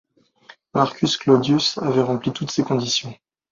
Marcus Claudius avait rempli toutes ces conditions.